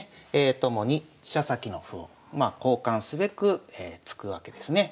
ともに飛車先の歩を交換すべく突くわけですね。